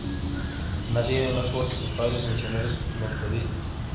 Nacido en Oxford de padres misioneros metodistas.